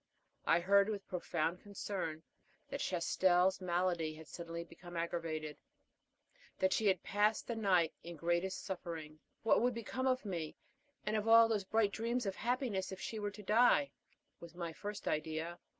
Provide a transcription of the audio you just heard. I heard with profound concern that Chastel's malady had suddenly become aggravated; that she had passed the night in the greatest suffering. What would become of me, and of all those bright dreams of happiness, if she were to die? was my first idea.